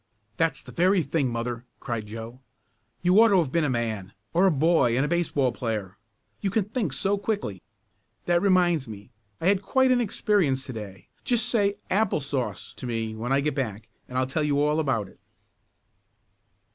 "That's the very thing, mother!" cried Joe. "You ought to have been a man or a boy and a baseball player! You can think so quickly. That reminds me; I had quite an experience to day. Just say 'apple sauce' to me when I get back, and I'll tell you all about it."